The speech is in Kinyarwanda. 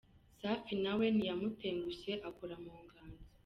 Safi na we ntiyamutengushye akora mu nganzo.